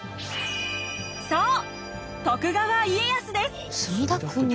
そう徳川家康です！